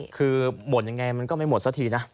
คือมดยังไงมันก็ไม่หมดซะทีนะ